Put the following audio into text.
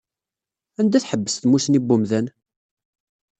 Anda tḥebbes tmusni n wemdan?